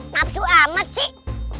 napsu amat sih